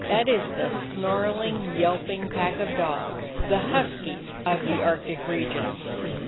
That is the snarling, yelping pack of dogs; the "huskies" of the Arctic regions.